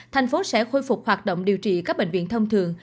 thành phố sẽ khôi phục hoạt động điều trị các bệnh viện thông thường